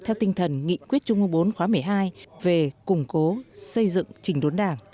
theo tinh thần nghị quyết trung ương bốn khóa một mươi hai về củng cố xây dựng trình đốn đảng